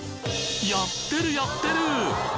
やってるやってる！